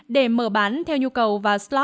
để mở bán theo nhu cầu và slot